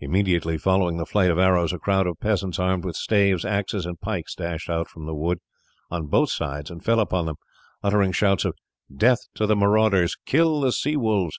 Immediately following the flight of arrows a crowd of peasants armed with staves, axes, and pikes dashed out from the wood on both sides and fell upon them, uttering shouts of "Death to the marauders!" "Kill the sea wolves!"